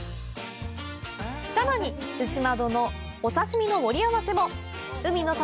さらに牛窓のお刺身の盛り合わせも海の幸